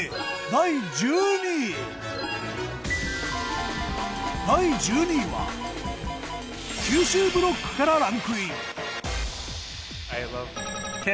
第１２位は九州ブロックからランクイン。